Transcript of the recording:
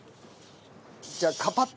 じゃあカパッ。